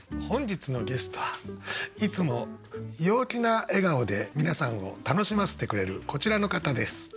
本日のゲストはいつも陽気な笑顔で皆さんを楽しませてくれるこちらの方です。